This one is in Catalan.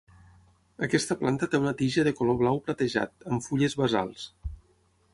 Aquesta planta té una tija de color blau platejat, amb fulles basals.